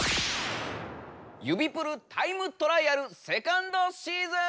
指プルタイムトライアルセカンドシーズン！